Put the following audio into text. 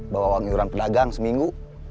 bawa uang yuran pedagang seminggu